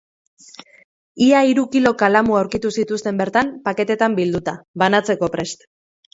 Ia hiru kilo kalamu aurkitu zituzten bertan paketetan bilduta, banatzeko prest.